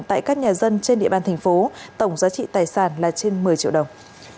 tại các nhà dân trên địa bàn thành phố tổng giá trị tài sản là trên một mươi triệu đồng